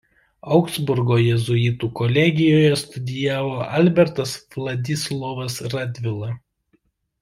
Augsburgo jėzuitų kolegijoje studijavo Albertas Vladislovas Radvila.